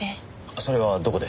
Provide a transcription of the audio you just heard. それはどこで？